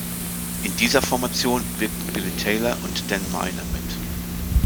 In dieser Formation wirkten Billy Taylor und Dan Minor mit.